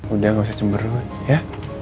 udah gak usah jember ya